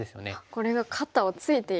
これが肩をツイている。